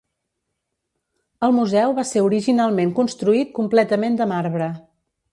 El museu va ser originalment construït completament de marbre.